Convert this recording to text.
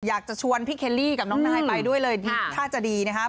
อยากจะชวนพี่เคลลี่กับน้องนายไปด้วยเลยท่าจะดีนะคะ